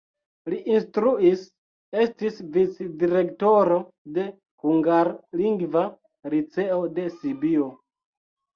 Li instruis, estis vicdirektoro de hungarlingva liceo de Sibio.